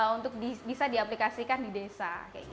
untuk bisa diaplikasikan di desa